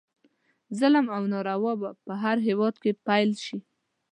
ظلم او ناروا به په هر هیواد کې پیل شي.